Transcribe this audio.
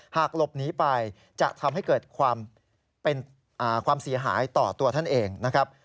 หากหลบหนีไปจะทำให้เกิดความเป็นความเสียหายต่อตัวท่านเองนะครับ